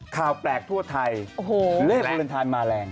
ข่าวแปลกทั่วไทยเรศภูมิลินทรายมาแรง